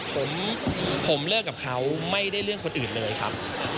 ผมผมเลิกกับเขาไม่ได้เรื่องคนอื่นเลยครับ